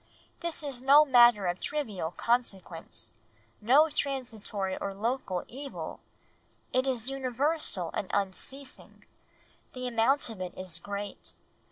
This is no matter of trivial consequence; no transitory or local evil; it is universal and unceasing; the amount of it is great